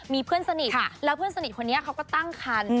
มีเพื่อนสนิทแล้วเพื่อนสนิทคนนี้เขาก็ตั้งคัน